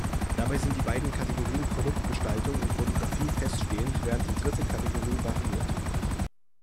Dabei sind die beiden Kategorien „Produktgestaltung“ und „Fotografie“ feststehend, während die dritte Kategorie variiert.